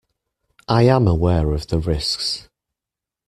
I am aware of the risks.